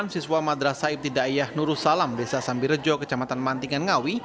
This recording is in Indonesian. lima puluh delapan siswa madrasa ibtidaiyah nurusalam desa sambirejo kecamatan mantingan ngawi